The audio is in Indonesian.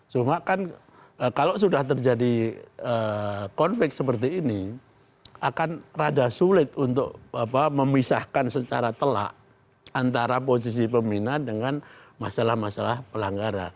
cuma kan kalau sudah terjadi konflik seperti ini akan rada sulit untuk memisahkan secara telak antara posisi peminat dengan masalah masalah pelanggaran